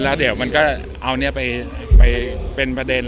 แล้วเอานี่ไปเป็นประเด็น